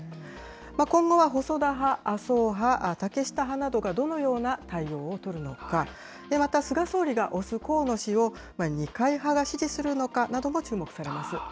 今後は細田派、麻生派、竹下派などがどのような対応を取るのか、また、菅総理が推す河野氏を二階派が支持するのかなども注目されます。